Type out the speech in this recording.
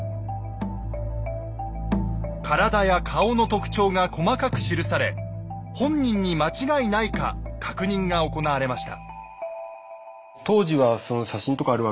体や顔の特徴が細かく記され本人に間違いないか確認が行われました。